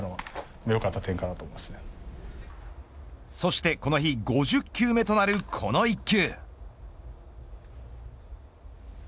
そしてこの日５０球目となるこの一球。